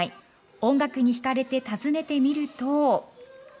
音楽に引かれて訪ねてみると。